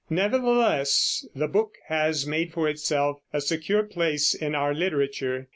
Nevertheless the book has made for itself a secure place in our literature.